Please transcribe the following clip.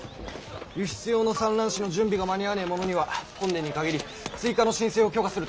輸出用の蚕卵紙の準備が間に合わねえ者には本年に限り追加の申請を許可すると府県に進達してくれ。